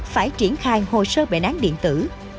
phải triển khai hồ sơ bệnh án điện tử